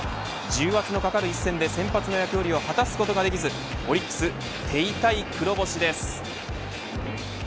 重圧のかかる一戦で先発の役割を果たすことができずオリックス、手痛い黒星です。